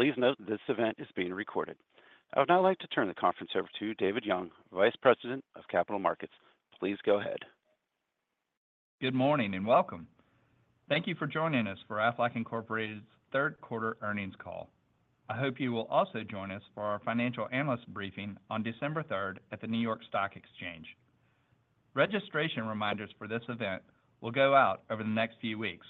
Please note that this event is being recorded. I would now like to turn the conference over to David Young, Vice President of Capital Markets. Please go ahead. Good morning and welcome. Thank you for joining us for Aflac Incorporated's Q3 earnings call. I hope you will also join us for our financial analyst briefing on December 3rd at the New York Stock Exchange. Registration reminders for this event will go out over the next few weeks.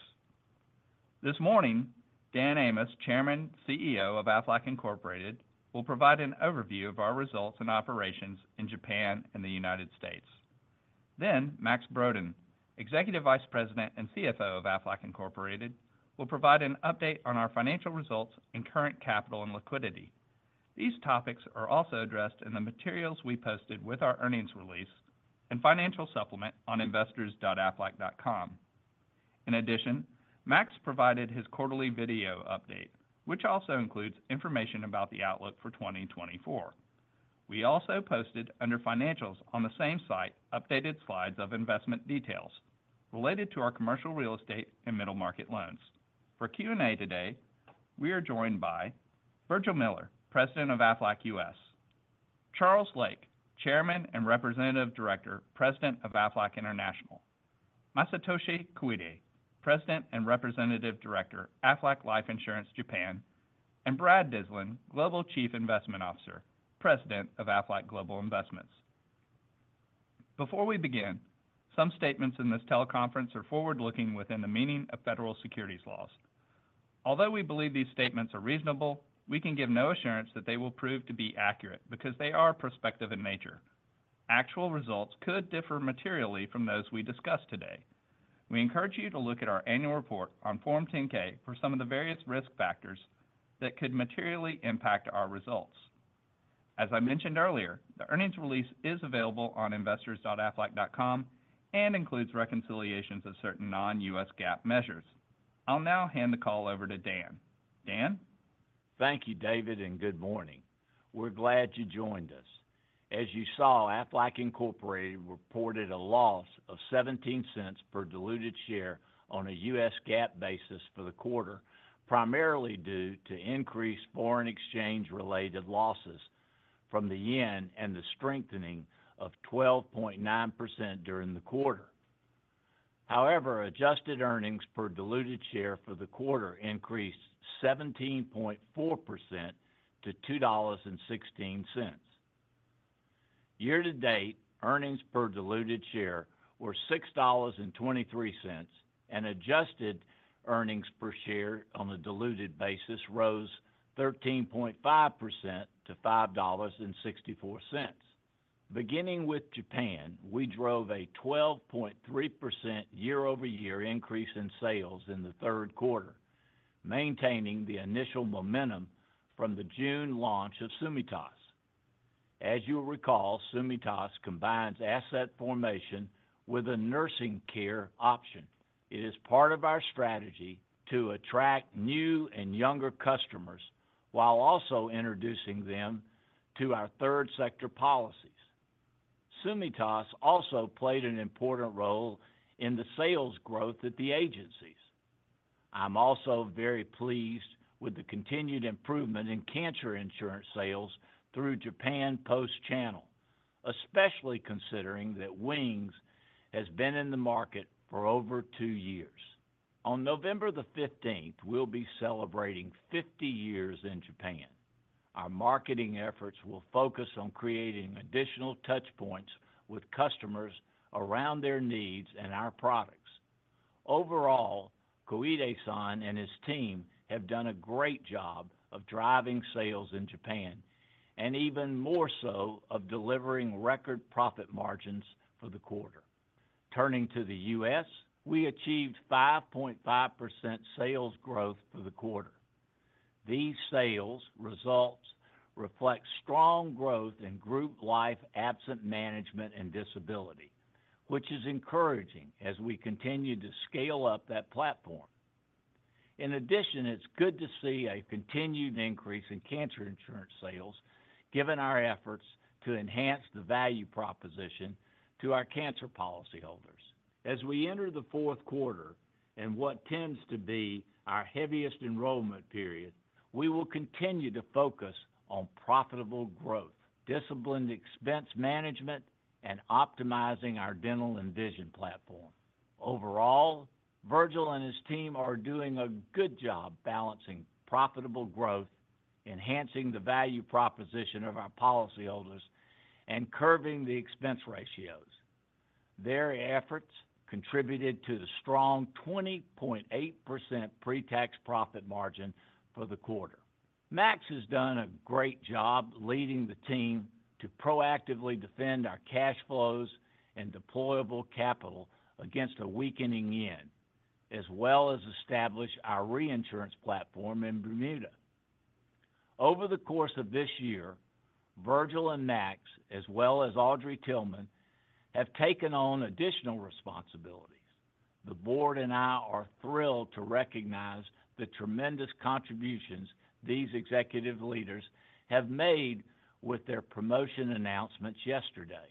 This morning, Dan Amos, Chairman and CEO of Aflac Incorporated, will provide an overview of our results and operations in Japan and the United States. Then, Max Brodén, Executive Vice President and CFO of Aflac Incorporated, will provide an update on our financial results and current capital and liquidity. These topics are also addressed in the materials we posted with our earnings release and financial supplement on investors.aflac.com. In addition, Max provided his quarterly video update, which also includes information about the outlook for 2024. We also posted under financials on the same site updated slides of investment details related to our commercial real estate and middle market loans. For Q&A today, we are joined by Virgil Miller, President of Aflac U.S., Charles Lake, Chairman and Representative Director, President of Aflac International, Masatoshi Koide, President and Representative Director, Aflac Life Insurance Japan, and Brad Dyslin, Global Chief Investment Officer, President of Aflac Global Investments. Before we begin, some statements in this teleconference are forward-looking within the meaning of federal securities laws. Although we believe these statements are reasonable, we can give no assurance that they will prove to be accurate because they are prospective in nature. Actual results could differ materially from those we discuss today. We encourage you to look at our annual report on Form 10-K for some of the various risk factors that could materially impact our results. As I mentioned earlier, the earnings release is available on investors.aflac.com and includes reconciliations of certain non-U.S. GAAP measures. I'll now hand the call over to Dan. Dan? Thank you, David, and good morning. We're glad you joined us. As you saw, Aflac Incorporated reported a loss of $0.17 per diluted share on a U.S. GAAP basis for the quarter, primarily due to increased foreign exchange-related losses from the yen and the strengthening of 12.9% during the quarter. However, adjusted earnings per diluted share for the quarter increased 17.4% to $2.16. Year-to-date earnings per diluted share were $6.23, and adjusted earnings per share on the diluted basis rose 13.5% to $5.64. Beginning with Japan, we drove a 12.3% year-over-year increase in sales in the Q3, maintaining the initial momentum from the June launch of Tsumitasu. As you'll recall, Tsumitasu combines asset formation with a nursing care option. It is part of our strategy to attract new and younger customers while also introducing them to our third sector policies. Tsumitasu also played an important role in the sales growth at the agencies. I'm also very pleased with the continued improvement in cancer insurance sales through Japan Post channel, especially considering that WINGS has been in the market for over two years. On November the 15th, we'll be celebrating 50 years in Japan. Our marketing efforts will focus on creating additional touchpoints with customers around their needs and our products. Overall, Koide-san and his team have done a great job of driving sales in Japan, and even more so of delivering record profit margins for the quarter. Turning to the U.S., we achieved 5.5% sales growth for the quarter. These sales results reflect strong growth in group life absence management and disability, which is encouraging as we continue to scale up that platform. In addition, it's good to see a continued increase in cancer insurance sales, given our efforts to enhance the value proposition to our cancer policyholders. As we enter the Q4 and what tends to be our heaviest enrollment period, we will continue to focus on profitable growth, disciplined expense management, and optimizing our dental and vision platform. Overall, Virgil and his team are doing a good job balancing profitable growth, enhancing the value proposition of our policyholders, and curbing the expense ratios. Their efforts contributed to the strong 20.8% pre-tax profit margin for the quarter. Max has done a great job leading the team to proactively defend our cash flows and deployable capital against a weakening yen, as well as establish our reinsurance platform in Bermuda. Over the course of this year, Virgil and Max, as well as Audrey Tillman, have taken on additional responsibilities. The board and I are thrilled to recognize the tremendous contributions these executive leaders have made with their promotion announcements yesterday.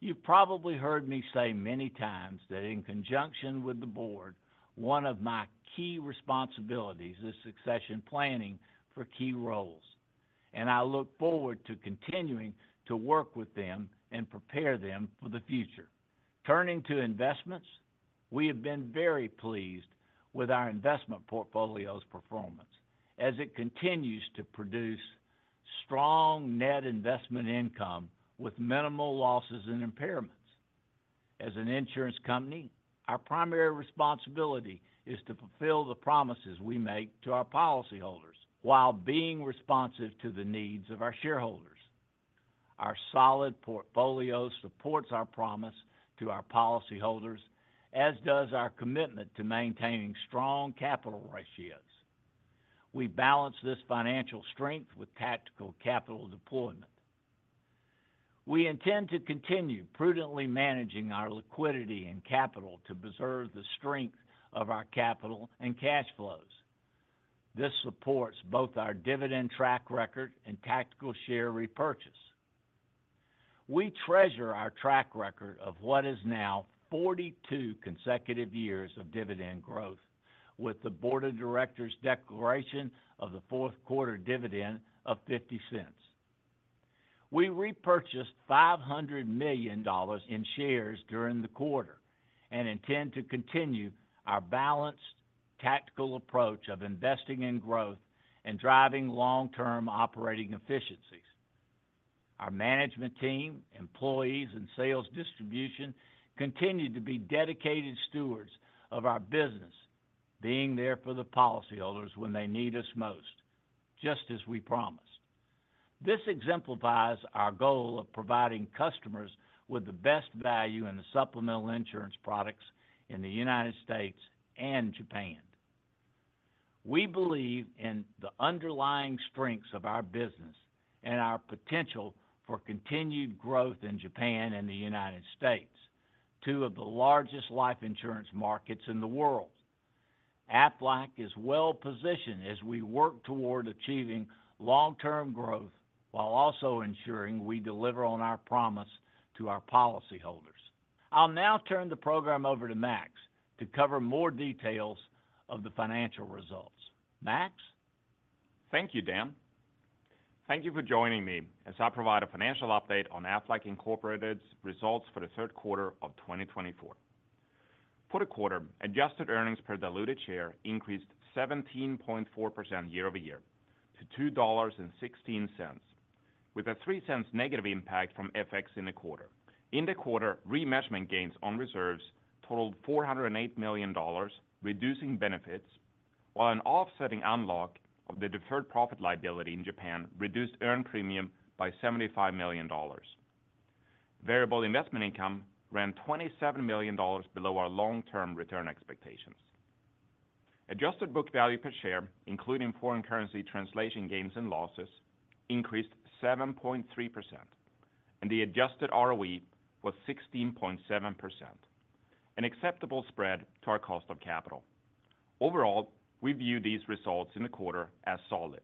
You've probably heard me say many times that in conjunction with the board, one of my key responsibilities is succession planning for key roles, and I look forward to continuing to work with them and prepare them for the future. Turning to investments, we have been very pleased with our investment portfolio's performance as it continues to produce strong net investment income with minimal losses and impairments. As an insurance company, our primary responsibility is to fulfill the promises we make to our policyholders while being responsive to the needs of our shareholders. Our solid portfolio supports our promise to our policyholders, as does our commitment to maintaining strong capital ratios. We balance this financial strength with tactical capital deployment. We intend to continue prudently managing our liquidity and capital to preserve the strength of our capital and cash flows. This supports both our dividend track record and tactical share repurchase. We treasure our track record of what is now 42 consecutive years of dividend growth, with the board of directors' declaration of the Q4 dividend of $0.50. We repurchased $500 million in shares during the quarter and intend to continue our balanced tactical approach of investing in growth and driving long-term operating efficiencies. Our management team, employees, and sales distribution continue to be dedicated stewards of our business, being there for the policyholders when they need us most, just as we promised. This exemplifies our goal of providing customers with the best value in the supplemental insurance products in the United States and Japan. We believe in the underlying strengths of our business and our potential for continued growth in Japan and the United States, two of the largest life insurance markets in the world. Aflac is well positioned as we work toward achieving long-term growth while also ensuring we deliver on our promise to our policyholders. I'll now turn the program over to Max to cover more details of the financial results. Max? Thank you, Dan. Thank you for joining me as I provide a financial update on Aflac Incorporated's results for the Q3 of 2024. For the quarter, adjusted earnings per diluted share increased 17.4% year-over-year to $2.16, with a $0.03 negative impact from FX in the quarter. In the quarter, remeasurement gains on reserves totaled $408 million, reducing benefits, while an offsetting unlock of the deferred profit liability in Japan reduced earned premium by $75 million. Variable investment income ran $27 million below our long-term return expectations. Adjusted book value per share, including foreign currency translation gains and losses, increased 7.3%, and the adjusted ROE was 16.7%, an acceptable spread to our cost of capital. Overall, we view these results in the quarter as solid.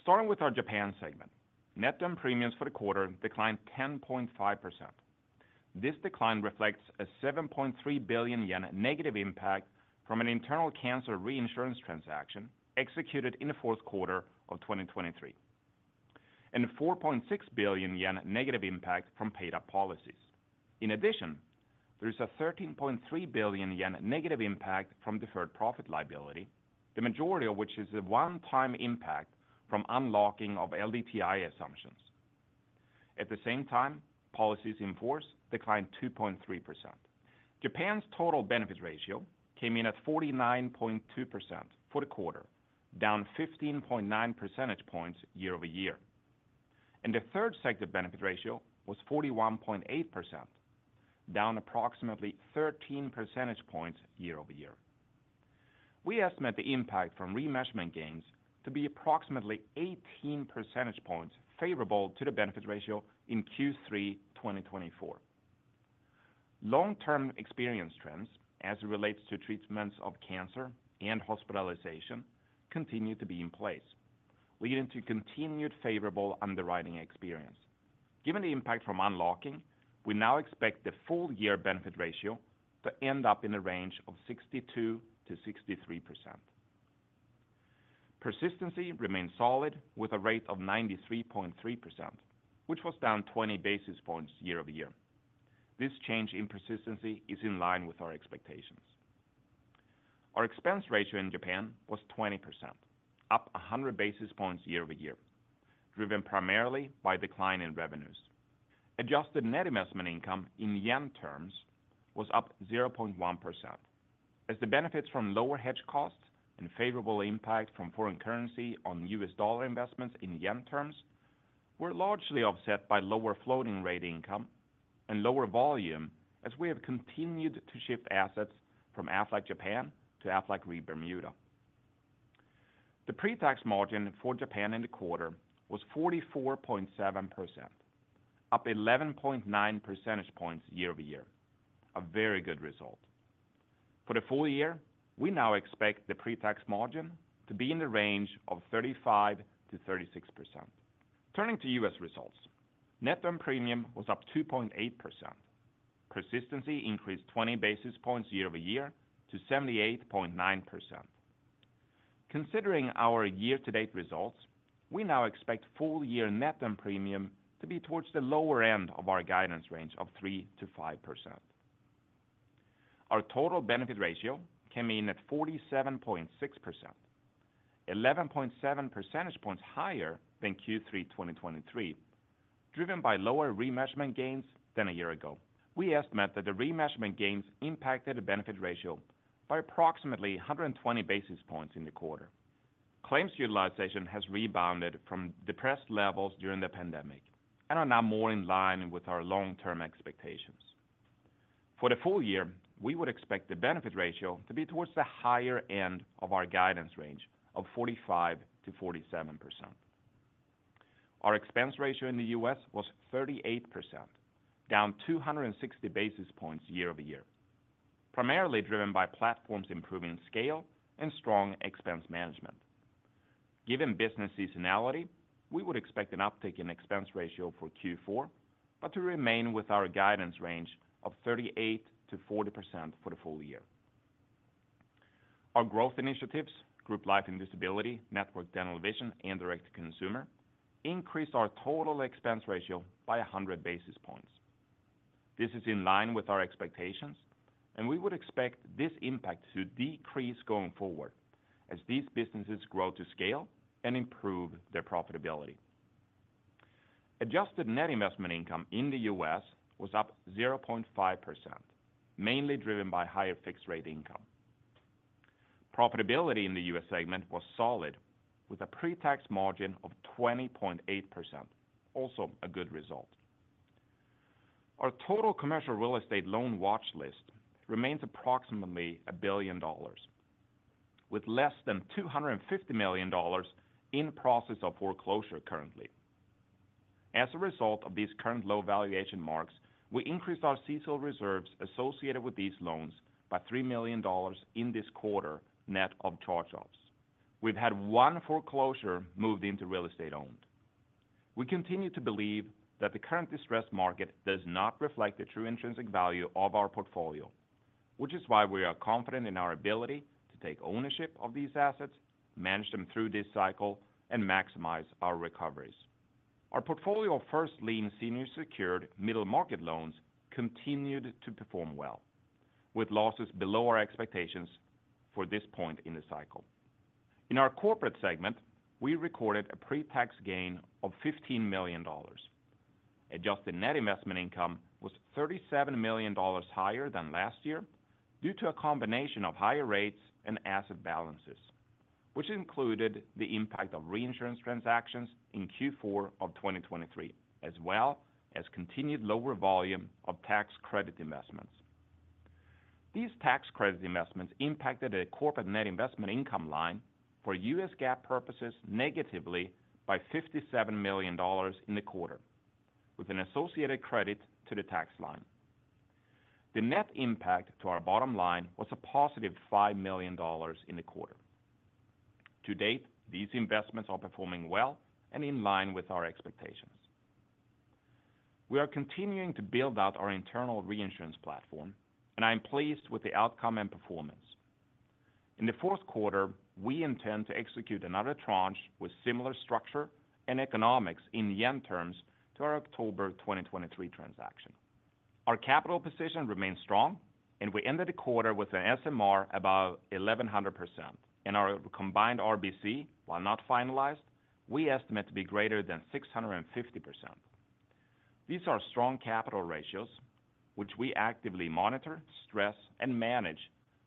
Starting with our Japan segment, net-to-earned premiums for the quarter declined 10.5%. This decline reflects a 7.3 billion yen negative impact from an internal cancer reinsurance transaction executed in the Q4 of 2023, and a 4.6 billion yen negative impact from paid-up policies. In addition, there is a 13.3 billion yen negative impact from deferred profit liability, the majority of which is a one-time impact from unlocking of LDTI assumptions. At the same time, policies in force declined 2.3%. Japan's total benefit ratio came in at 49.2% for the quarter, down 15.9 percentage points year-over-year. The third sector benefit ratio was 41.8%, down approximately 13 percentage points year-over-year. We estimate the impact from remeasurement gains to be approximately 18 percentage points favorable to the benefit ratio in Q3 2024. Long-term experience trends as it relates to treatments of cancer and hospitalization continue to be in place, leading to continued favorable underwriting experience. Given the impact from unlocking, we now expect the full-year benefit ratio to end up in the range of 62%-63%. Persistency remains solid with a rate of 93.3%, which was down 20 basis points year-over-year. This change in persistency is in line with our expectations. Our expense ratio in Japan was 20%, up 100 basis points year-over-year, driven primarily by a decline in revenues. Adjusted net investment income in yen terms was up 0.1%, as the benefits from lower hedge costs and favorable impact from foreign currency on U.S. dollar investments in yen terms were largely offset by lower floating-rate income and lower volume as we have continued to shift assets from Aflac Japan to Aflac Re Bermuda. The pre-tax margin for Japan in the quarter was 44.7%, up 11.9 percentage points year-over-year, a very good result. For the full year, we now expect the pre-tax margin to be in the range of 35%-36%. Turning to U.S. results, net-to-earned premium was up 2.8%. Persistency increased 20 basis points year-over-year to 78.9%. Considering our year-to-date results, we now expect full-year net-to-earned premium to be towards the lower end of our guidance range of 3%-5%. Our total benefit ratio came in at 47.6%, 11.7 percentage points higher than Q3 2023, driven by lower remeasurement gains than a year ago. We estimate that the remeasurement gains impacted the benefit ratio by approximately 120 basis points in the quarter. Claims utilization has rebounded from depressed levels during the pandemic and are now more in line with our long-term expectations. For the full year, we would expect the benefit ratio to be towards the higher end of our guidance range of 45%-47%. Our expense ratio in the U.S. was 38%, down 260 basis points year-over-year, primarily driven by platforms improving scale and strong expense management. Given business seasonality, we would expect an uptick in expense ratio for Q4, but to remain with our guidance range of 38% to 40% for the full year. Our growth initiatives, group life and disability, network dental vision, and direct-to-consumer, increased our total expense ratio by 100 basis points. This is in line with our expectations, and we would expect this impact to decrease going forward as these businesses grow to scale and improve their profitability. Adjusted net investment income in the U.S. was up 0.5%, mainly driven by higher fixed-rate income. Profitability in the U.S. segment was solid, with a pre-tax margin of 20.8%, also a good result. Our total commercial real estate loan watch list remains approximately $1 billion, with less than $250 million in process of foreclosure currently. As a result of these current low valuation marks, we increased our CSO reserves associated with these loans by $3 million in this quarter net of charge-offs. We've had one foreclosure moved into real estate owned. We continue to believe that the current distressed market does not reflect the true intrinsic value of our portfolio, which is why we are confident in our ability to take ownership of these assets, manage them through this cycle, and maximize our recoveries. Our portfolio of first-lien, senior-secured, middle-market loans continued to perform well, with losses below our expectations for this point in the cycle. In our corporate segment, we recorded a pre-tax gain of $15 million. Adjusted net investment income was $37 million higher than last year due to a combination of higher rates and asset balances, which included the impact of reinsurance transactions in Q4 of 2023, as well as continued lower volume of tax credit investments. These tax credit investments impacted the corporate net investment income line for U.S. GAAP purposes negatively by $57 million in the quarter, with an associated credit to the tax line. The net impact to our bottom line was a positive $5 million in the quarter. To date, these investments are performing well and in line with our expectations. We are continuing to build out our internal reinsurance platform, and I am pleased with the outcome and performance. In the Q4, we intend to execute another tranche with similar structure and economics in yen terms to our October 2023 transaction. Our capital position remains strong, and we ended the quarter with an SMR above 1,100%, and our combined RBC, while not finalized, we estimate to be greater than 650%. These are strong capital ratios, which we actively monitor, stress, and manage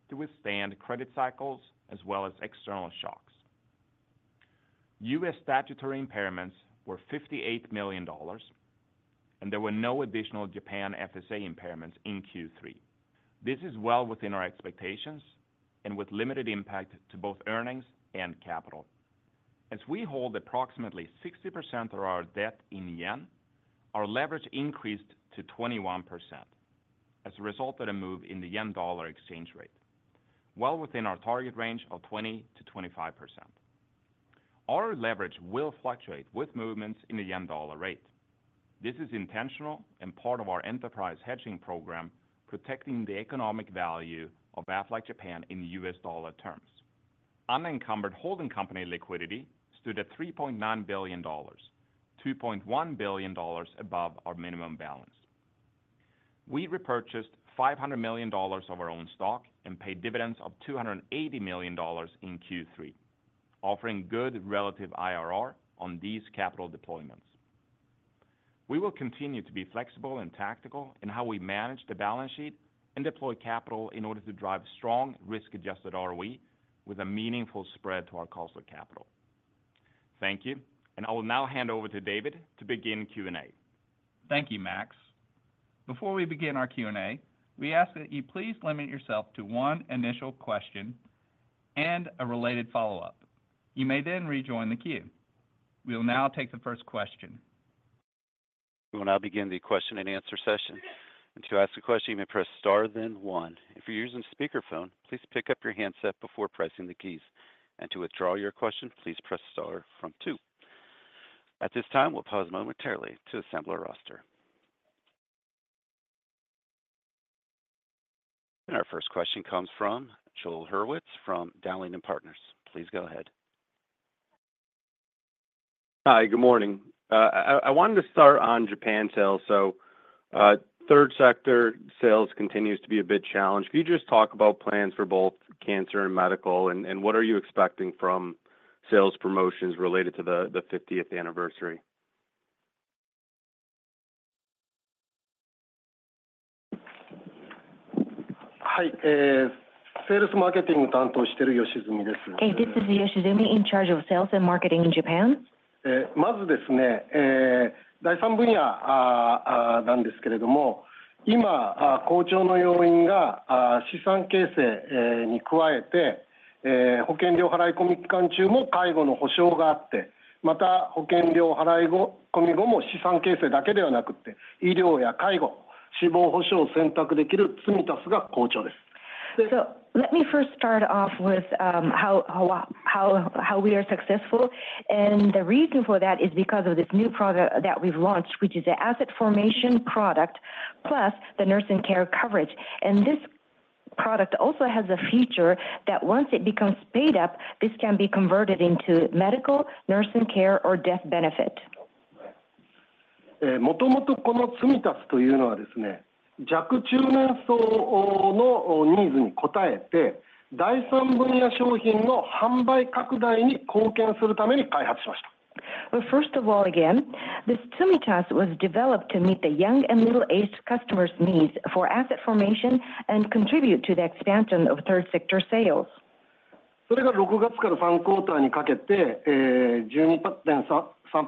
to withstand credit cycles as well as external shocks. U.S. statutory impairments were $58 million, and there were no additional Japan FSA impairments in Q3. This is well within our expectations and with limited impact to both earnings and capital. As we hold approximately 60% of our debt in yen, our leverage increased to 21% as a result of the move in the yen-dollar exchange rate, well within our target range of 20%-25%. Our leverage will fluctuate with movements in the yen-dollar rate. This is intentional and part of our enterprise hedging program, protecting the economic value of Aflac Japan in U.S. dollar terms. Unencumbered holding company liquidity stood at $3.9 billion, $2.1 billion above our minimum balance. We repurchased $500 million of our own stock and paid dividends of $280 million in Q3, offering good relative IRR on these capital deployments. We will continue to be flexible and tactical in how we manage the balance sheet and deploy capital in order to drive strong risk-adjusted ROE with a meaningful spread to our cost of capital. Thank you, and I will now hand over to David to begin Q&A. Thank you, Max. Before we begin our Q&A, we ask that you please limit yourself to one initial question and a related follow-up. You may then rejoin the queue. We will now take the first question. We will now begin the question and answer session. And to ask a question, you may press star then one. If you're using speakerphone, please pick up your handset before pressing the keys. And to withdraw your question, please press star from two. At this time, we'll pause momentarily to assemble a roster. And our first question comes from Joel Hurwitz from Dowling & Partners. Please go ahead. Hi, good morning. I wanted to start on Japan sales. So third sector sales continues to be a big challenge. Could you just talk about plans for both cancer and medical, and what are you expecting from sales promotions related to the 50th anniversary? はい、セールスマーケティング担当している吉住です。Okay, this is Yoshizumi, in charge of sales and marketing in Japan. まずですね、第3分野なんですけれども、今、好調の要因が資産形成に加えて、保険料払い込み期間中も介護の保障があって、また保険料払い込み後も資産形成だけではなくて、医療や介護、死亡保障を選択できる積み足すが好調です。Let me first start off with how we are successful, and the reason for that is because of this new product that we've launched, which is an asset formation product plus the nursing care coverage. This product also has a feature that once it becomes paid up, this can be converted into medical, nursing care, or death benefit. 元々この積み足すというのはですね、弱中年層のニーズに応えて、第3分野商品の販売拡大に貢献するために開発しました。First of all, again, this Tsumitasu was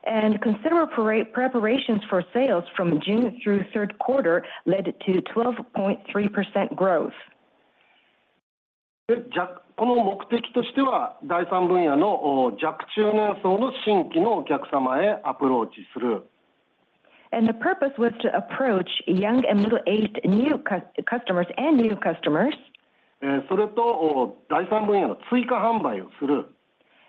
developed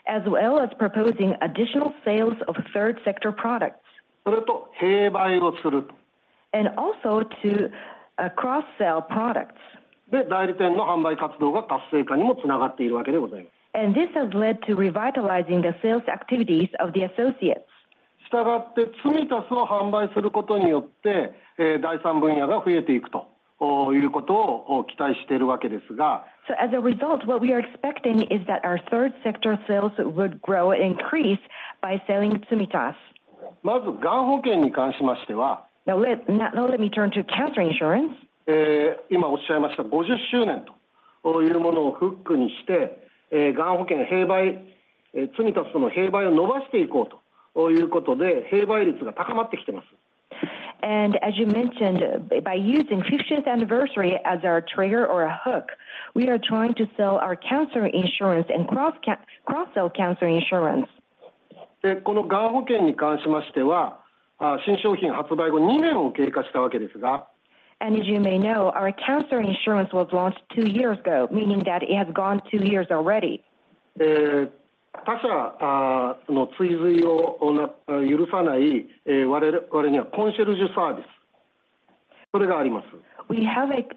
to meet the young 他社の追随を許さない我々にはコンシェルジュサービス、これがあります。We have a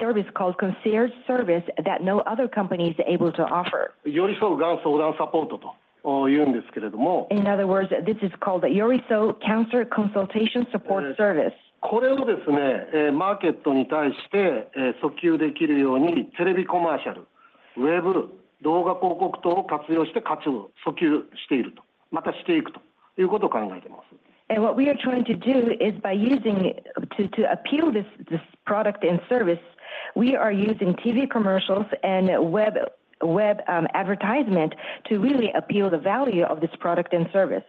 service called concierge service that no other company is able to offer. 寄り添うがん相談サポートというんですけれども。In other words, this is called the Yoriso Cancer Consultation Support Service. これをですね、マーケットに対して訴求できるようにテレビコマーシャル、ウェブ、動画広告等を活用して価値を訴求していると、またしていくということを考えています。What we are trying to do is by using to appeal this product and service. We are using TV commercials and web advertisement to really appeal the value of this product and service.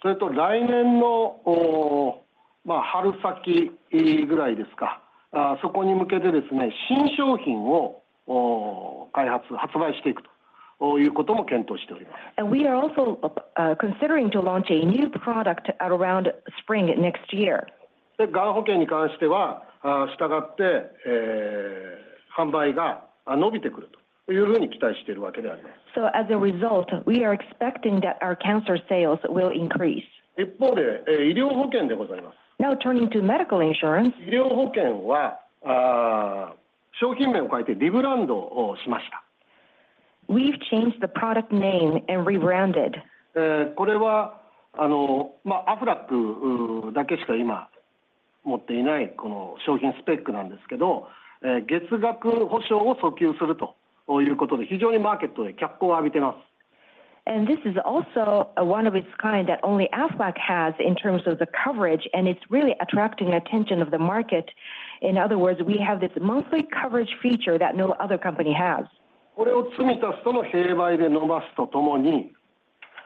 それと来年の春先ぐらいですか、そこに向けてですね、新商品を開発、発売していくということも検討しております。We are also considering to launch a new product around spring next year. でがん保険に関してはしたがって販売が伸びてくるというふうに期待しているわけであります。As a result, we are expecting that our cancer sales will increase. 一方で医療保険でございます。Now turning to medical insurance. 医療保険は商品名を変えてリブランドをしました。We've changed the product name and rebranded. これはアフラックだけしか今持っていないこの商品スペックなんですけど、月額保証を訴求するということで非常にマーケットで脚光を浴びています。This is also one of its kind that only Aflac has in terms of the coverage, and it's really attracting attention of the market. In other words, we have this monthly coverage feature that no other company has. これを積み足すとの併売で伸ばすとともに。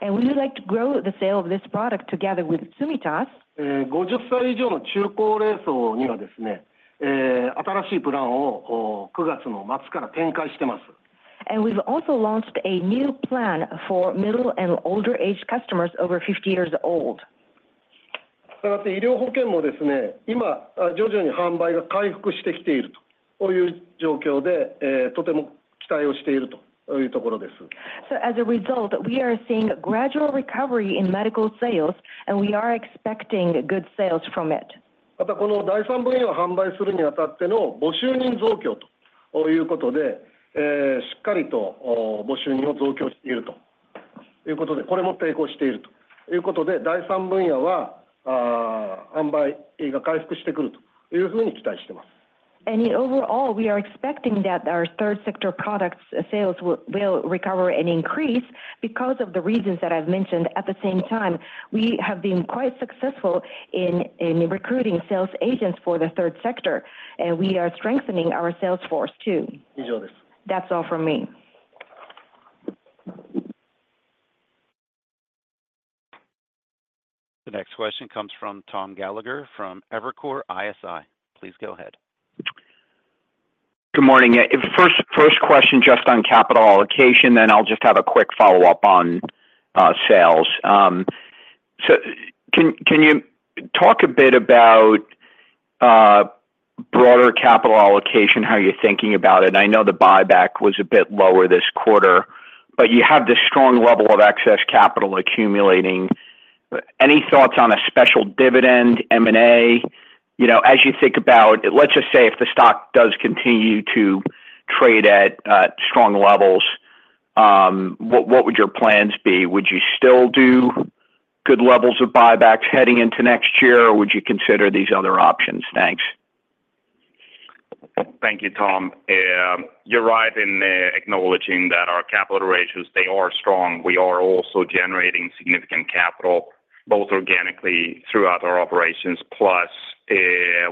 We would like to grow the sale of this product together with Tsumitasu. 50歳以上の中高齢層にはですね、新しいプランを9月の末から展開しています。We've also launched a new plan for middle and older-aged customers over 50 years old. したがって医療保険もですね、今徐々に販売が回復してきているという状況でとても期待をしているというところです。As a result, we are seeing a gradual recovery in medical sales, and we are expecting good sales from it. またこの第3分野を販売するにあたっての募集人増強ということで、しっかりと募集人を増強しているということで、これも成功しているということで第3分野は販売が回復してくるというふうに期待しています。And overall, we are expecting that our third sector products' sales will recover and increase because of the reasons that I've mentioned. At the same time, we have been quite successful in recruiting sales agents for the third sector, and we are strengthening our sales force too. 以上です。That's all from me. The next question comes from Tom Gallagher from Evercore ISI. Please go ahead. Good morning. First question just on capital allocation, then I'll just have a quick follow-up on sales. So can you talk a bit about broader capital allocation, how you're thinking about it? I know the buyback was a bit lower this quarter, but you have this strong level of excess capital accumulating. Any thoughts on a special dividend, M&A? As you think about, let's just say if the stock does continue to trade at strong levels, what would your plans be? Would you still do good levels of buybacks heading into next year, or would you consider these other options? Thanks. Thank you, Tom. You're right in acknowledging that our capital ratios, they are strong. We are also generating significant capital, both organically throughout our operations, plus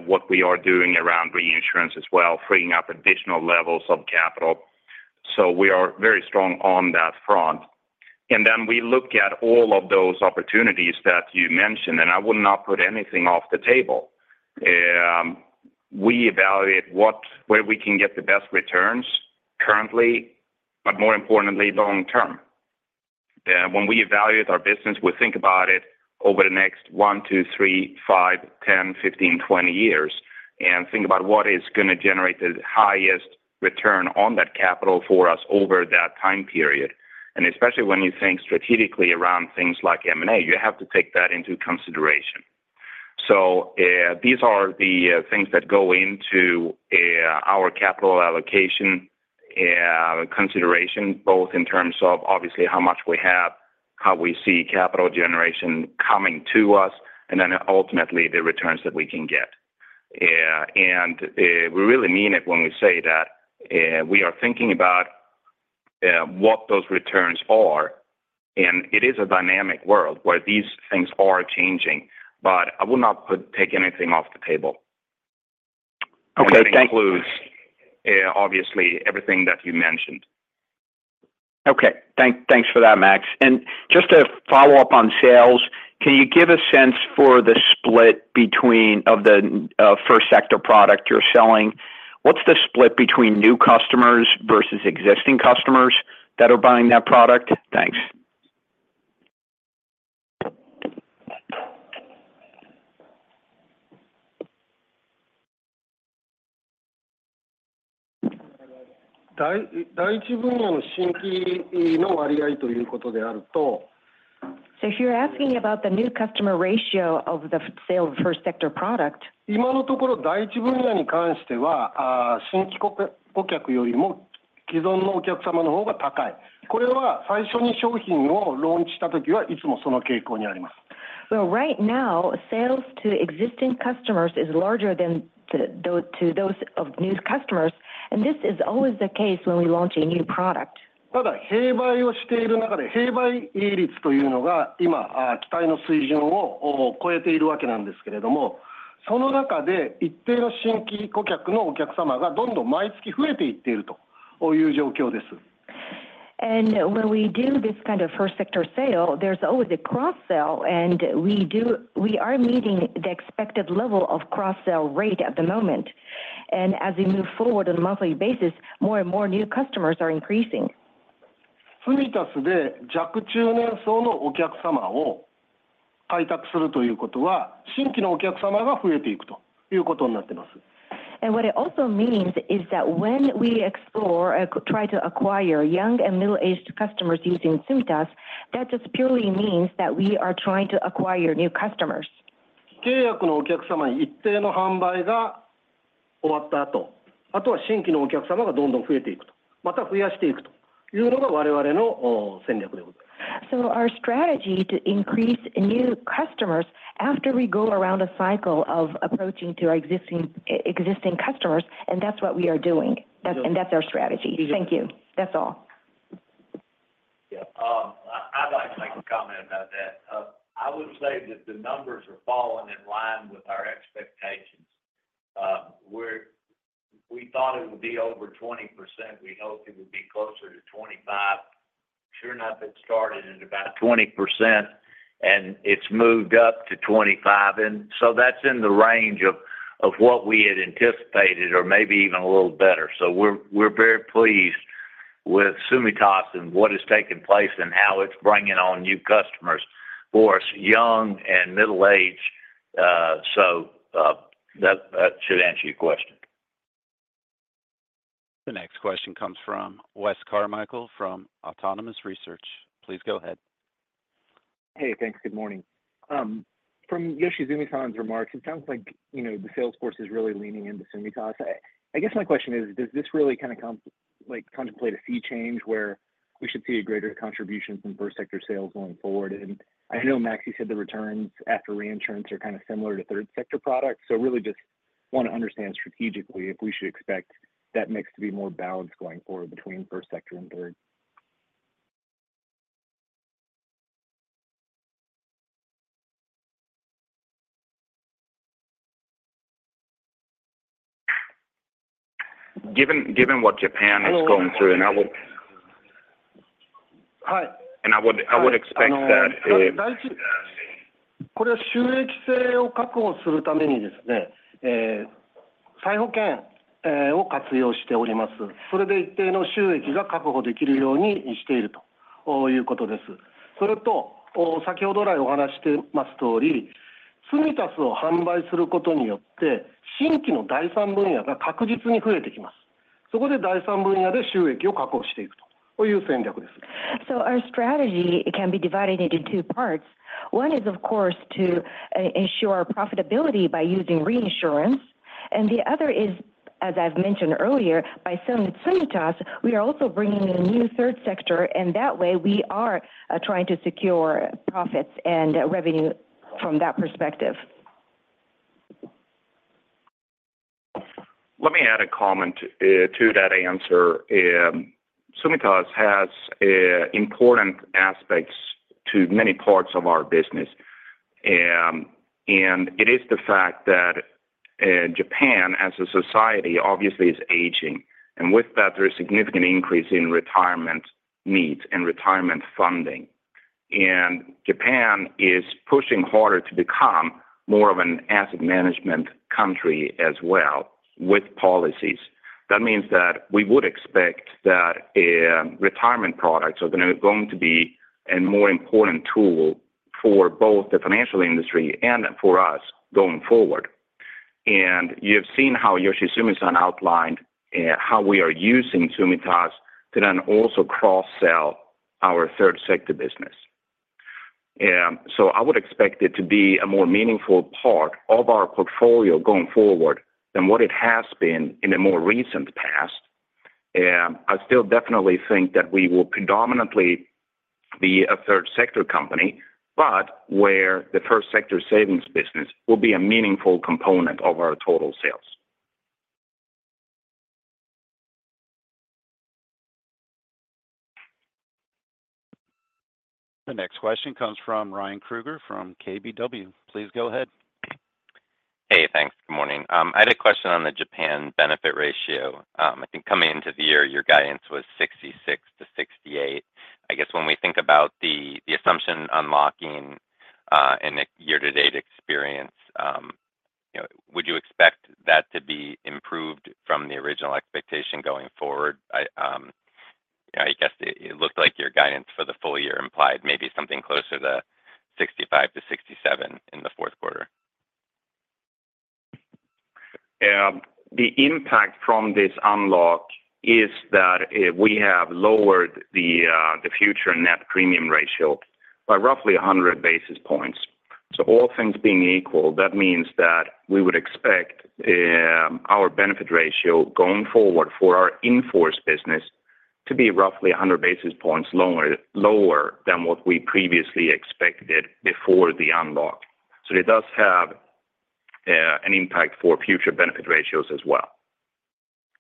what we are doing around reinsurance as well, freeing up additional levels of capital. So we are very strong on that front. And then we look at all of those opportunities that you mentioned, and I would not put anything off the table. We evaluate where we can get the best returns currently, but more importantly, long term. When we evaluate our business, we think about it over the next one, two, three, five, ten, fifteen, twenty years and think about what is going to generate the highest return on that capital for us over that time period. And especially when you think strategically around things like M&A, you have to take that into consideration. So these are the things that go into our capital allocation consideration, both in terms of obviously how much we have, how we see capital generation coming to us, and then ultimately the returns that we can get. We really mean it when we say that we are thinking about what those returns are, and it is a dynamic world where these things are changing, but I would not take anything off the table. That includes obviously everything that you mentioned. Okay. Thanks for that, Max. And just to follow up on sales, can you give a sense for the split of the First sector product you're selling? What's the split between new customers versus existing customers that are buying that product? Thanks. 第1分野の新規の割合ということであると。So if you're asking about the new customer ratio of the sale of First sector product. 今のところ第1分野に関しては新規顧客よりも既存のお客様の方が高い。これは最初に商品をローンチした時はいつもその傾向にあります。Right now, sales to existing customers is larger than to those of new customers, and this is always the case when we launch a new product. ただ併売をしている中で併売率というのが今期待の水準を超えているわけなんですけれども、その中で一定の新規顧客のお客様がどんどん毎月増えていっているという状況です。And when we do this kind of First sector sale, there's always a cross-sell, and we are meeting the expected level of cross-sell rate at the moment. And as we move forward on a monthly basis, more and more new customers are increasing. 積み足すで弱中年層のお客様を開拓するということは新規のお客様が増えていくということになっています。What it also means is that when we explore or try to acquire young and middle-aged customers using Tsumitasu, that just purely means that we are trying to acquire new customers. 契約のお客様に一定の販売が終わった後、あとは新規のお客様がどんどん増えていくと、また増やしていくというのが我々の戦略でございます。Our strategy is to increase new customers after we go around a cycle of approaching to our existing customers, and that's what we are doing. That's our strategy. Thank you. That's all. Yeah. I'd like to make a comment about that. I would say that the numbers are falling in line with our expectations. We thought it would be over 20%. We hoped it would be closer to 25%. Sure enough, it started at about 20%, and it's moved up to 25%. And so that's in the range of what we had anticipated or maybe even a little better. So we're very pleased with Tsumitasu and what has taken place and how it's bringing on new customers for us, young and middle-aged. So that should answer your question. The next question comes from Wes Carmichael from Autonomous Research. Please go ahead. Hey, thanks. Good morning. From Koichi Yoshizumi's remarks, it sounds like the sales force is really leaning into Tsumitasu. I guess my question is, does this really kind of contemplate a sea change where we should see a greater contribution from first sector sales going forward? And I know Max Brodén said the returns after reinsurance are kind of similar to third sector products. So really just want to understand strategically if we should expect that mix to be more balanced going forward between first sector and third. Given what Japan is going through, and I would expect that. これは収益性を確保するためにですね、再保険を活用しております。それで一定の収益が確保できるようにしているということです。それと先ほど来お話ししています通り、Tsumitasuを販売することによって新規の第3分野が確実に増えてきます。そこで第3分野で収益を確保していくという戦略です。Our strategy can be divided into two parts. One is, of course, to ensure profitability by using reinsurance. And the other is, as I've mentioned earlier, by selling Tsumitasu, we are also bringing in new third sector, and that way we are trying to secure profits and revenue from that perspective. Let me add a comment to that answer. Tsumitasu has important aspects to many parts of our business, and it is the fact that Japan, as a society, obviously is aging, and with that, there is a significant increase in retirement needs and retirement funding, and Japan is pushing harder to become more of an asset management country as well with policies. That means that we would expect that retirement products are going to be a more important tool for both the financial industry and for us going forward, and you have seen how Yoshizumi-san outlined how we are using Tsumitasu to then also cross-sell our third sector business, so I would expect it to be a more meaningful part of our portfolio going forward than what it has been in the more recent past. I still definitely think that we will predominantly be a third sector company, but where the first sector savings business will be a meaningful component of our total sales. The next question comes from Ryan Krueger from KBW. Please go ahead. Hey, thanks. Good morning. I had a question on the Japan benefit ratio. I think coming into the year, your guidance was 66%-68%. I guess when we think about the assumption unlocking in a year-to-date experience, would you expect that to be improved from the original expectation going forward? I guess it looked like your guidance for the full year implied maybe something closer to 65%-67% in the Q4. The impact from this unlock is that we have lowered the future net premium ratio by roughly 100 basis points, so all things being equal, that means that we would expect our benefit ratio going forward for our in-force business to be roughly 100 basis points lower than what we previously expected before the unlock, so it does have an impact for future benefit ratios as well,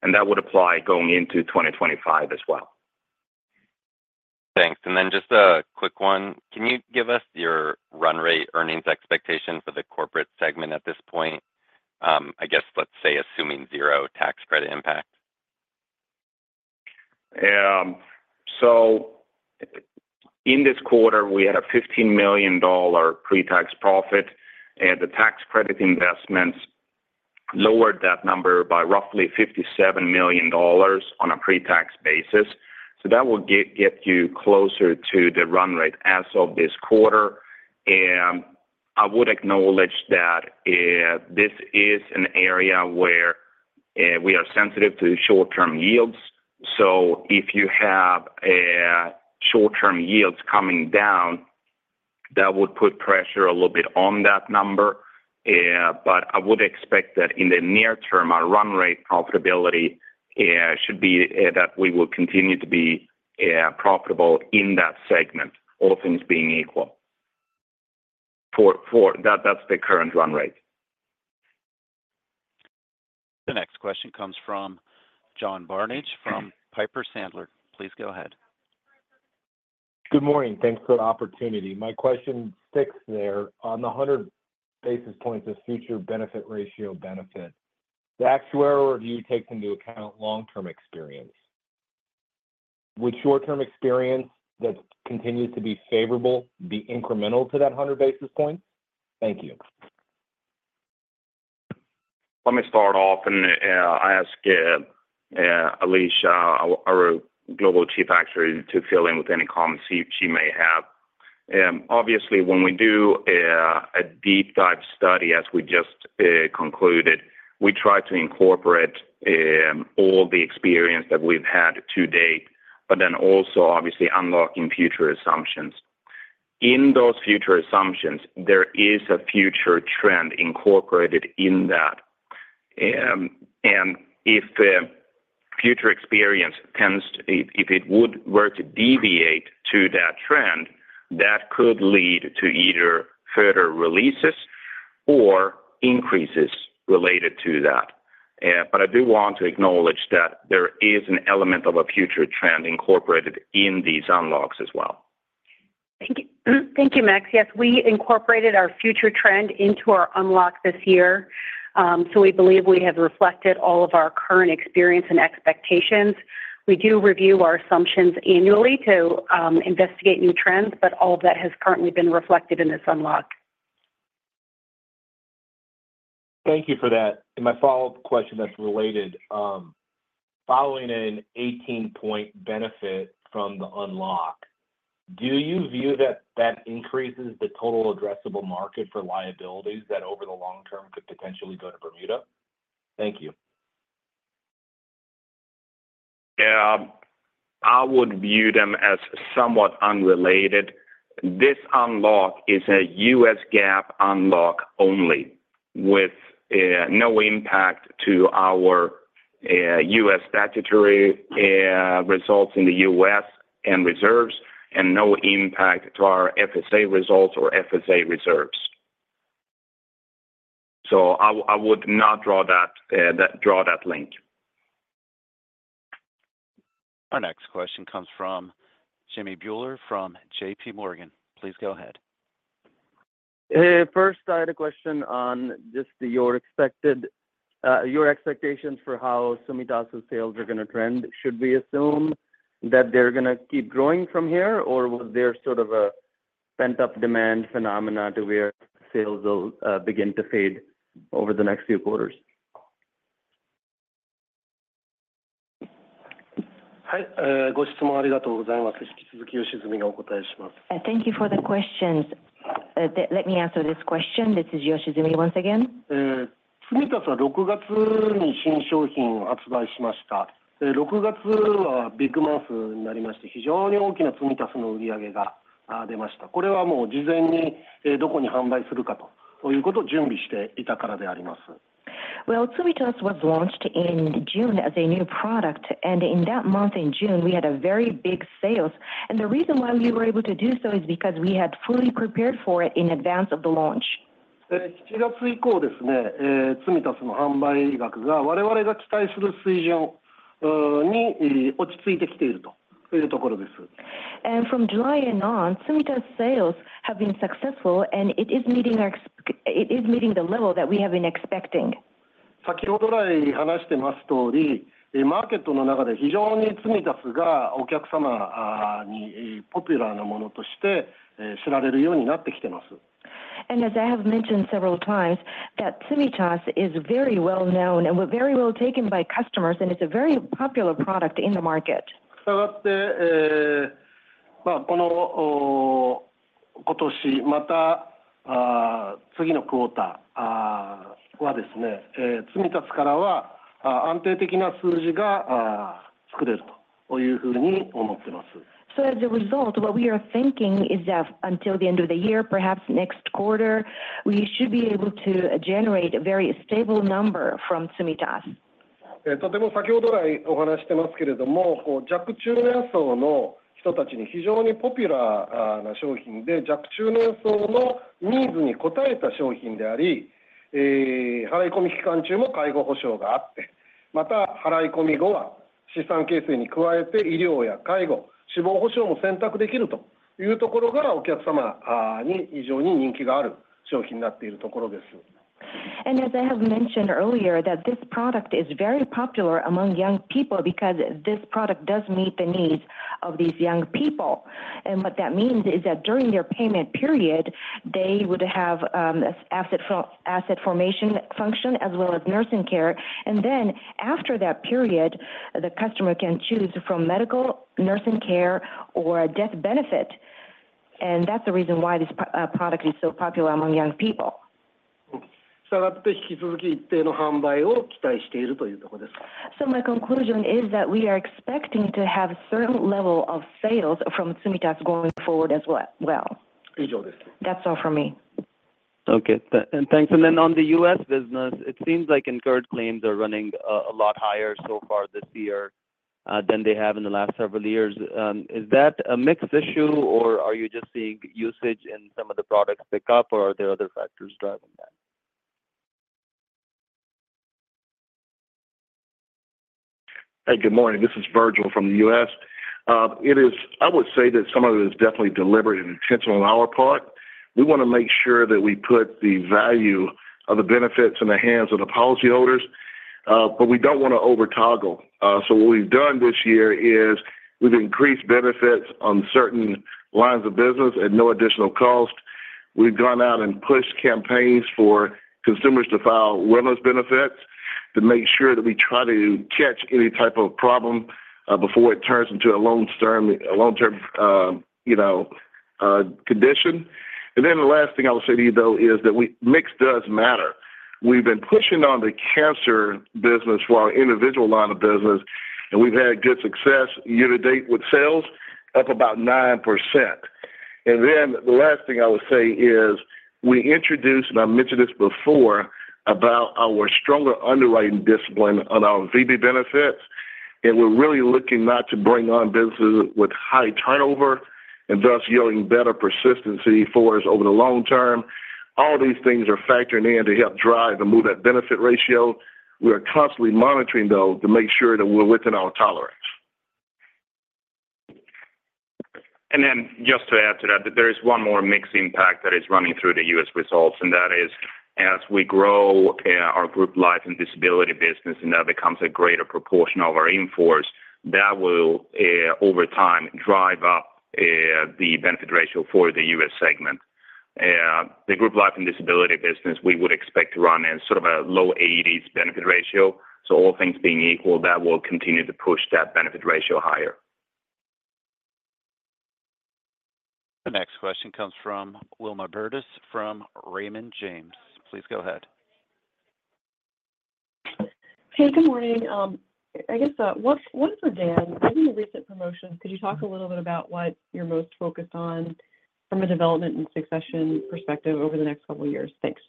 and that would apply going into 2025 as well. Thanks, and then just a quick one. Can you give us your run rate earnings expectation for the corporate segment at this point? I guess, let's say, assuming zero tax credit impact. So in this quarter, we had a $15 million pre-tax profit, and the tax credit investments lowered that number by roughly $57 million on a pre-tax basis. So that will get you closer to the run rate as of this quarter. I would acknowledge that this is an area where we are sensitive to short-term yields. So if you have short-term yields coming down, that would put pressure a little bit on that number. But I would expect that in the near term, our run rate profitability should be that we will continue to be profitable in that segment, all things being equal. That's the current run rate. The next question comes from John Barnidge from Piper Sandler. Please go ahead. Good morning. Thanks for the opportunity. My question sticks there. On the 100 basis points of future benefit ratio benefit, the actuarial review takes into account long-term experience. Would short-term experience that continues to be favorable be incremental to that 100 basis points? Thank you. Let me start off and ask Alicia, our Global Chief Actuary, to fill in with any comments she may have. Obviously, when we do a deep dive study, as we just concluded, we try to incorporate all the experience that we've had to date, but then also, obviously, unlocking future assumptions. In those future assumptions, there is a future trend incorporated in that. And if future experience tends to, if it would work to deviate to that trend, that could lead to either further releases or increases related to that. But I do want to acknowledge that there is an element of a future trend incorporated in these unlocks as well. Thank you, Max. Yes, we incorporated our future trend into our unlock this year. So we believe we have reflected all of our current experience and expectations. We do review our assumptions annually to investigate new trends, but all of that has currently been reflected in this unlock. Thank you for that, and my follow-up question that's related. Following an 18-point benefit from the unlock, do you view that that increases the total addressable market for liabilities that over the long term could potentially go to Bermuda? Thank you. I would view them as somewhat unrelated. This unlock is a U.S. GAAP unlock only with no impact to our U.S. statutory results in the U.S. and reserves and no impact to our FSA results or FSA reserves. So I would not draw that link. Our next question comes from Jimmy Bhullar from J.P. Morgan. Please go ahead. First, I had a question on just your expectations for how Tsumitasu sales are going to trend. Should we assume that they're going to keep growing from here, or was there sort of a pent-up demand phenomena to where sales will begin to fade over the next few quarters? 続き、Yoshi Zoomisanがお答えします。Thank you for the questions. Let me answer this question. This is Koichi Yoshizumi-san once again. Tsumitasu was launched in June as a new product. In that month, in June, we had a very big sales. The reason why we were able to do so is because we had fully prepared for it in advance of the launch. 7月以降ですね、Tsumitasuの販売額が我々が期待する水準に落ち着いてきているというところです。From July したがって、引き続き一定の販売を期待しているというところです。My conclusion is that we are expecting to have a certain level of sales from Tsumitasu going forward as well. 以上です。That's all for me. Okay. And thanks. And then on the U.S. business, it seems like incurred claims are running a lot higher so far this year than they have in the last several years. Is that a mixed issue, or are you just seeing usage in some of the products pick up, or are there other factors driving that? Hey, good morning. This is Virgil from the U.S. I would say that some of it is definitely deliberate and intentional on our part. We want to make sure that we put the value of the benefits in the hands of the policyholders, but we don't want to overhaggle. So what we've done this year is we've increased benefits on certain lines of business at no additional cost. We've gone out and pushed campaigns for consumers to file wellness benefits to make sure that we try to catch any type of problem before it turns into a long-term condition. And then the last thing I would say to you, though, is that mix does matter. We've been pushing on the cancer business for our individual line of business, and we've had good success year-to-date with sales, up about 9%. And then the last thing I would say is we introduced, and I mentioned this before, about our stronger underwriting discipline on our VB benefits. And we're really looking not to bring on businesses with high turnover and thus yielding better persistency for us over the long term. All these things are factoring in to help drive and move that benefit ratio. We are constantly monitoring, though, to make sure that we're within our tolerance. And then just to add to that, there is one more mixed impact that is running through the U.S. results, and that is as we grow our group life and disability business and that becomes a greater proportion of our in-force, that will, over time, drive up the benefit ratio for the U.S. segment. The group life and disability business, we would expect to run in sort of a low-80s benefit ratio. So all things being equal, that will continue to push that benefit ratio higher. The next question comes from Wilma Burdis from Raymond James. Please go ahead. Hey, good morning. I guess what is the demand? Given the recent promotions, could you talk a little bit about what you're most focused on from a development and succession perspective over the next couple of years? Thanks.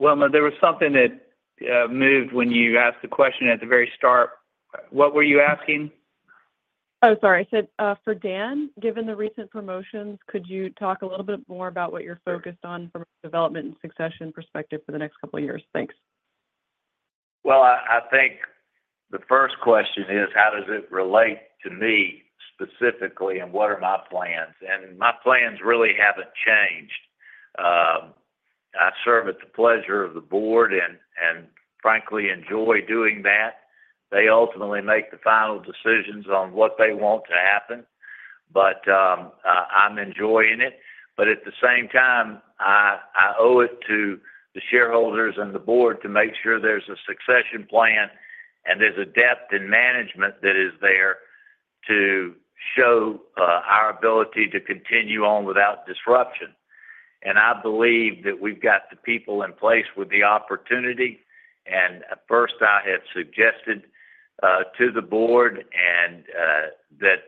Wilma, there was something that moved when you asked the question at the very start. What were you asking? Oh, sorry. I said, for Dan, given the recent promotions, could you talk a little bit more about what you're focused on from a development and succession perspective for the next couple of years? Thanks. I think the first question is, how does it relate to me specifically, and what are my plans? My plans really haven't changed. I serve at the pleasure of the board and, frankly, enjoy doing that. They ultimately make the final decisions on what they want to happen, but I'm enjoying it. At the same time, I owe it to the shareholders and the board to make sure there's a succession plan and there's a depth in management that is there to show our ability to continue on without disruption. I believe that we've got the people in place with the opportunity. At first, I had suggested to the board that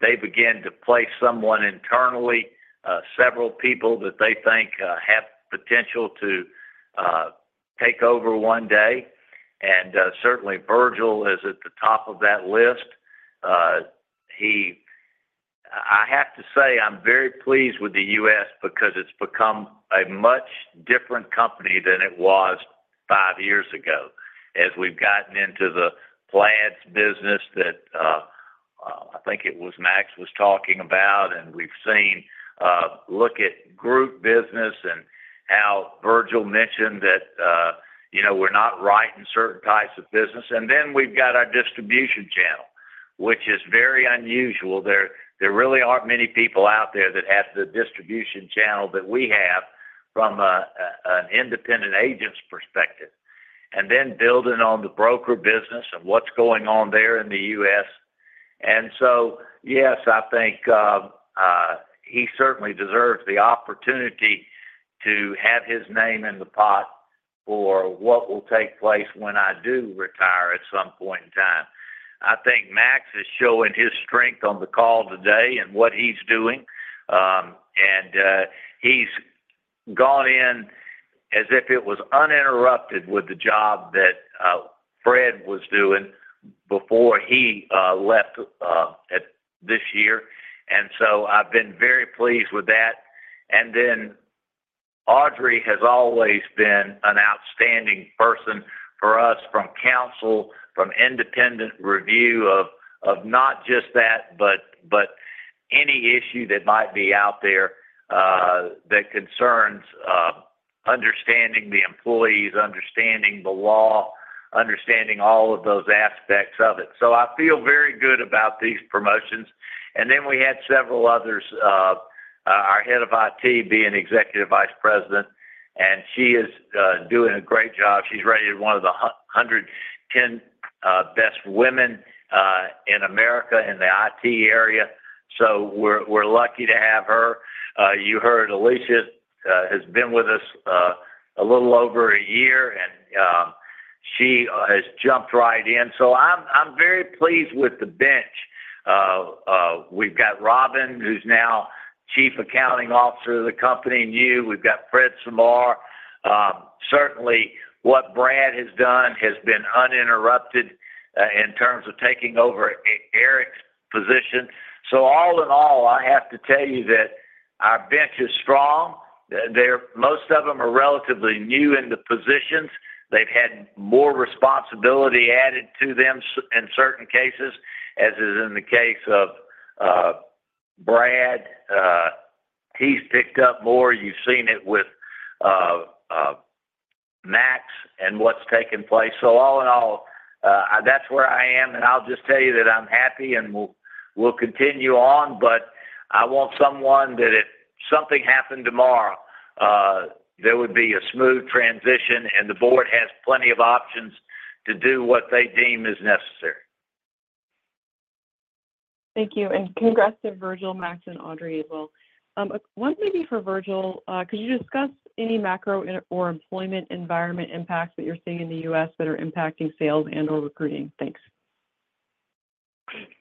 they begin to place someone internally, several people that they think have potential to take over one day. Certainly, Virgil is at the top of that list. I have to say I'm very pleased with the U.S. because it's become a much different company than it was five years ago as we've gotten into the Plaids business that I think it was Max was talking about. And we've seen, look at group business and how Virgil mentioned that we're not right in certain types of business. And then we've got our distribution channel, which is very unusual. There really aren't many people out there that have the distribution channel that we have from an independent agent's perspective. And then building on the broker business and what's going on there in the U.S. And so, yes, I think he certainly deserves the opportunity to have his name in the pot for what will take place when I do retire at some point in time. I think Max is showing his strength on the call today and what he's doing. And he's gone in as if it was uninterrupted with the job that Fred was doing before he left this year. And so I've been very pleased with that. And then Audrey has always been an outstanding person for us from counsel, from independent review of not just that, but any issue that might be out there that concerns understanding the employees, understanding the law, understanding all of those aspects of it. So I feel very good about these promotions. And then we had several others, our head of IT being Executive Vice President, and she is doing a great job. She's rated one of the 110 best women in America in the IT area. So we're lucky to have her. You heard Alicia has been with us a little over a year, and she has jumped right in. So I'm very pleased with the bench. We've got Robin, who's now Chief Accounting Officer of the company, and you. We've got Fred Samar. Certainly, what Brad has done has been uninterrupted in terms of taking over Eric's position. So all in all, I have to tell you that our bench is strong. Most of them are relatively new in the positions. They've had more responsibility added to them in certain cases, as is in the case of Brad. He's picked up more. You've seen it with Max and what's taken place. So all in all, that's where I am. I'll just tell you that I'm happy and we'll continue on, but I want someone that if something happened tomorrow, there would be a smooth transition, and the board has plenty of options to do what they deem is necessary. Thank you. And congrats to Virgil, Max, and Audrey as well. One maybe for Virgil, could you discuss any macro or employment environment impacts that you're seeing in the U.S. that are impacting sales and/or recruiting?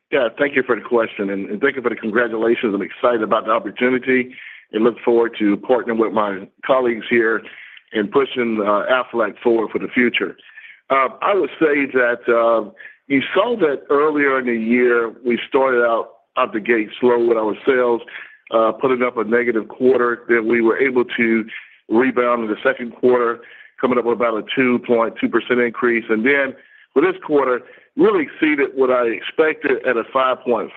Thanks. Yeah. Thank you for the question. And thank you for the congratulations. I'm excited about the opportunity and look forward to partnering with my colleagues here and pushing Aflac forward for the future. I would say that you saw that earlier in the year, we started out of the gate slow with our sales, putting up a negative quarter, then we were able to rebound in the Q2, coming up with about a 2.2% increase. And then for this quarter, really exceeded what I expected at a 5.5%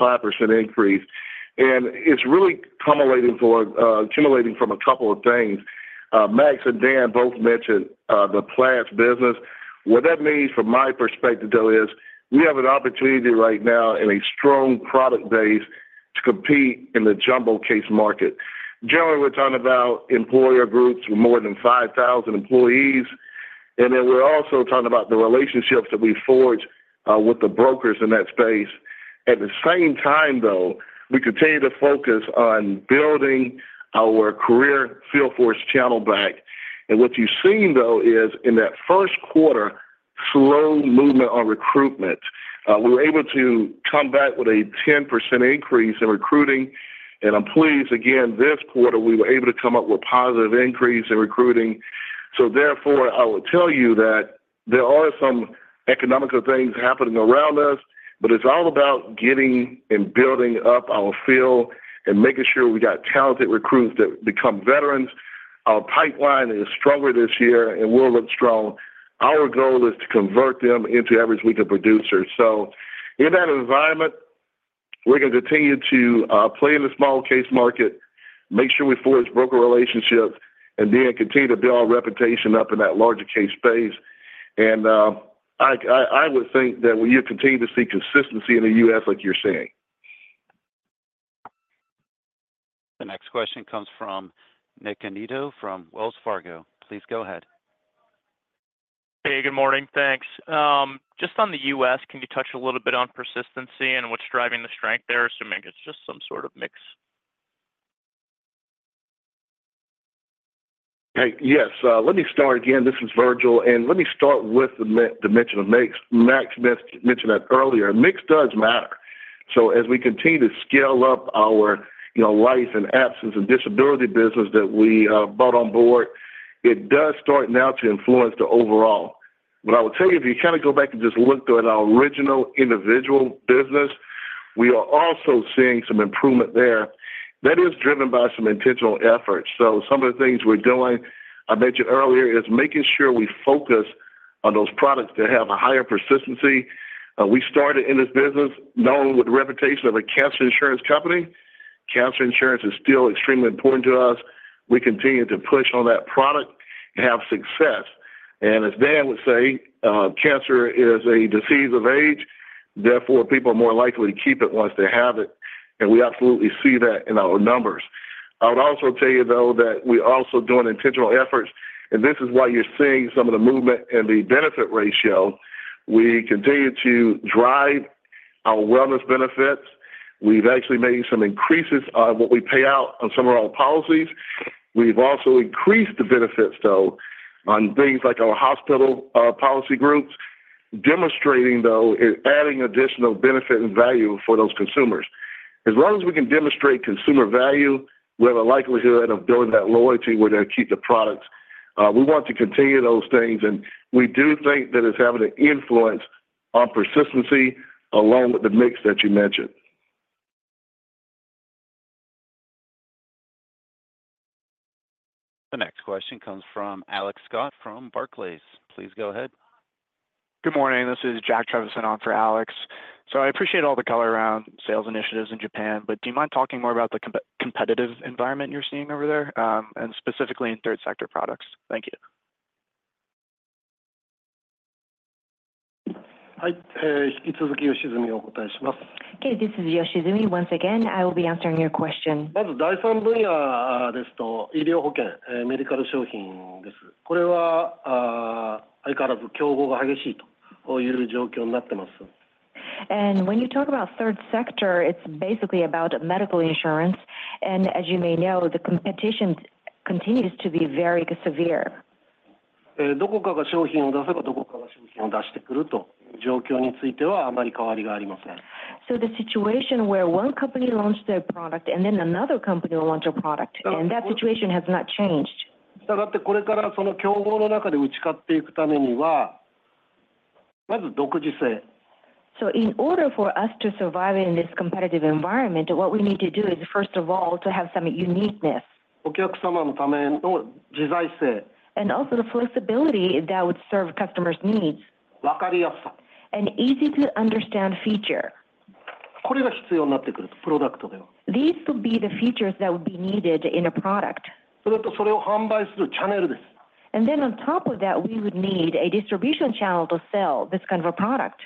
increase. And it's really accumulating from a couple of things. Max and Dan both mentioned the Plaids business. What that means from my perspective, though, is we have an opportunity right now in a strong product base to compete in the jumbo case market. Generally, we're talking about employer groups with more than 5,000 employees. And then we're also talking about the relationships that we forge with the brokers in that space. At the same time, though, we continue to focus on building our career field force channel back. And what you've seen, though, is in that Q1, slow movement on recruitment. We were able to come back with a 10% increase in recruiting. And I'm pleased, again, this quarter, we were able to come up with a positive increase in recruiting. So therefore, I will tell you that there are some economic things happening around us, but it's all about getting and building up our field and making sure we got talented recruits that become veterans. Our pipeline is stronger this year, and we'll look strong. Our goal is to convert them into average weekly producers. So in that environment, we're going to continue to play in the small case market, make sure we forge broker relationships, and then continue to build our reputation up in that larger case space. And I would think that we continue to see consistency in the U.S., like you're saying. The next question comes from Nick Annito from Wells Fargo. Please go ahead. Hey, good morning. Thanks. Just on the U.S., can you touch a little bit on persistency and what's driving the strength there? Assuming it's just some sort of mix. Hey, yes. Let me start again. This is Virgil. And let me start with the mention of Max mentioned that earlier. Mix does matter. So as we continue to scale up our life and absence and disability business that we brought on board, it does start now to influence the overall. But I would tell you, if you kind of go back and just look at our original individual business, we are also seeing some improvement there. That is driven by some intentional efforts. So some of the things we're doing, I mentioned earlier, is making sure we focus on those products that have a higher persistency. We started in this business known with the reputation of a cancer insurance company. Cancer insurance is still extremely important to us. We continue to push on that product and have success. And as Dan would say, cancer is a disease of age. Therefore, people are more likely to keep it once they have it. And we absolutely see that in our numbers. I would also tell you, though, that we are also doing intentional efforts. And this is why you're seeing some of the movement in the benefit ratio. We continue to drive our wellness benefits. We've actually made some increases on what we pay out on some of our policies. We've also increased the benefits, though, on things like our hospital policy groups, demonstrating, though, and adding additional benefit and value for those consumers. As long as we can demonstrate consumer value, we have a likelihood of building that loyalty where they'll keep the products. We want to continue those things. And we do think that it's having an influence on persistency along with the mix that you mentioned. The next question comes from Alex Scott from Barclays. Please go ahead. Good morning. This is Jack Trevison on for Alex. So I appreciate all the color around sales initiatives in Japan, but do you mind talking more about the competitive environment you're seeing over there, and specifically in third-sector products? Thank you. Hi. Hikitsuzuki, Yoshizumi o-katarimasu. Okay. This is Yoshizumi once again. I will be answering your question. まず、第3分野ですと、医療保険、メディカル商品です。これは相変わらず競合が激しいという状況になってます。When you talk about Third sector, it's basically about medical insurance. As you may know, the competition continues to be very severe. どこかが商品を出せば、どこかが商品を出してくるという状況についてはあまり変わりがありません。So the situation where one company launched their product and then another company will launch a product, and that situation has not changed. 従って、これからその競合の中で打ち勝っていくためには、まず独自性。So in order for us to survive in this competitive environment, what we need to do is, first of all, to have some uniqueness. お客様のための自在性。Also the flexibility that would serve customers' needs. 分かりやすさ。An easy-to-understand feature. これが必要になってくると、プロダクトでは。These would be the features that would be needed in a product. それとそれを販売するチャネルです。And then on top of that, we would need a distribution channel to sell this kind of a product.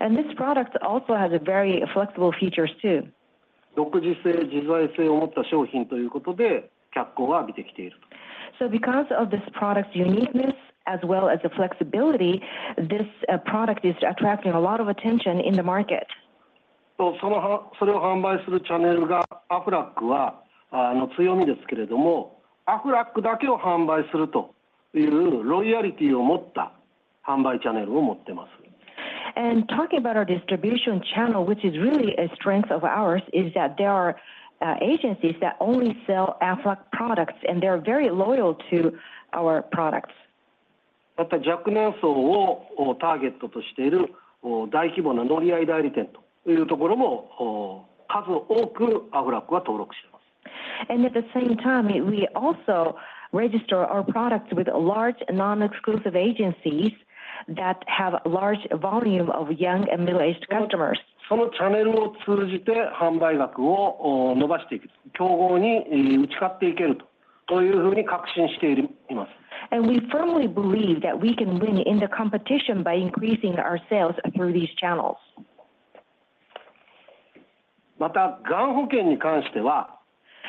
now currently has this new medical feature called monthly coverage, which is very reasonable and which is very well received by the market. その商品というのは非常に自在性も持っているというところになります。This product also has very flexible features too. 独自性、自在性を持った商品ということで脚光を浴びてきていると。Because of this product's uniqueness as well as the flexibility, this product is attracting a lot of attention in the market. それを販売するチャネルがアフラックは強みですけれども、アフラックだけを販売するというロイヤリティを持った販売チャネルを持ってます。Talking about our distribution channel, which is really a strength of ours, is that there are agencies that only sell Aflac products, and they're very loyal to our products. また若年層をターゲットとしている大規模な乗り合い代理店というところも数多くアフラックは登録しています。At the same time, we also register our products with large non-exclusive agencies that have large volume of young and middle-aged customers. そのチャネルを通じて販売額を伸ばしていく、競合に打ち勝っていけるというふうに確信しています。And we firmly believe that we can win in the competition by increasing our sales through these channels. またがん保険に関しては。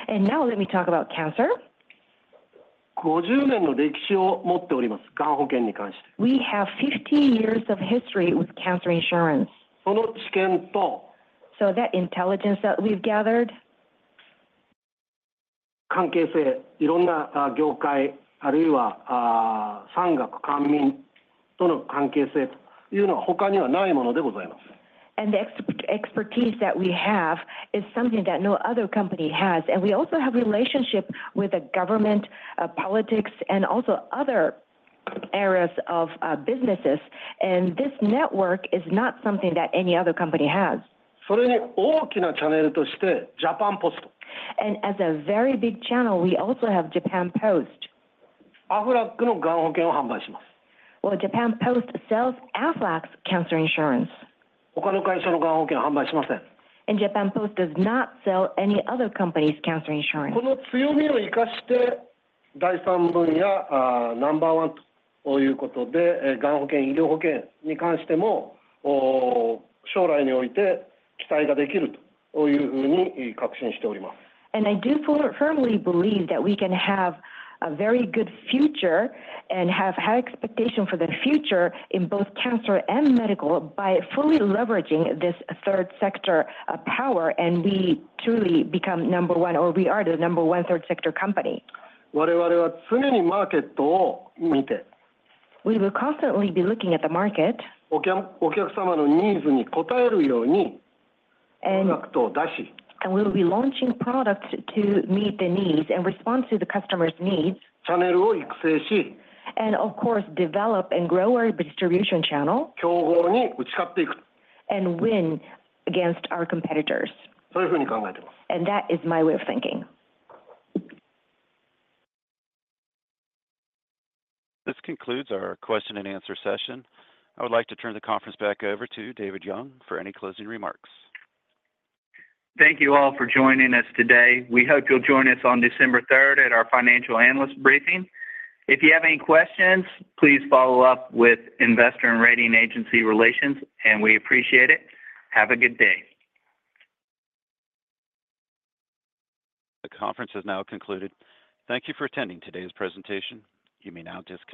And now let me talk about cancer. 五十年の歴史を持っております、がん保険に関して。We have fifty years of history with cancer insurance. その知見と。So that intelligence that we've gathered. 関係性、いろんな業界、あるいは産学官民との関係性というのは他にはないものでございます。And the expertise that we have is something that no other company has. And we also have relationship with the government, politics, and also other areas of businesses. And this network is not something that any other company has. それに大きなチャネルとしてジャパンポスト。And as a very big channel, we also have Japan Post. あふらっくのがん保険を販売します。Well, Japan Post sells Aflac's cancer insurance. ほかの会社のがん保険を販売しません。And Japan Post does not sell any other company's cancer insurance. この強みを生かして、第三分野ナンバーワンということで、がん保険、医療保険に関しても将来において期待ができるというふうに確信しております。And I do firmly believe that we can have a very good future and have high expectation for the future in both cancer and medical by fully leveraging this third sector power. And we truly become number one, or we are the number one third-sector company. 我々は常にマーケットを見て。We will constantly be looking at the market。お客様のニーズに応えるようにプロダクトを出し。And we will be launching products to meet the needs and respond to the customer's needs. チャネルを育成し。And of course, develop and grow our distribution channel. 競合に打ち勝っていく。And win against our competitors. そういうふうに考えてます。And that is my way of thinking. This concludes our question and answer session. I would like to turn the conference back over to David Young for any closing remarks. Thank you all for joining us today. We hope you'll join us on December 3rd at our financial analyst briefing. If you have any questions, please follow up with investor and rating agency relations, and we appreciate it. Have a good day. The conference has now concluded. Thank you for attending today's presentation. You may now disconnect.